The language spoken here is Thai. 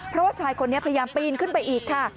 เพราะว่าชายคนนี้พยายามปีนขึ้นไปอีกค่ะ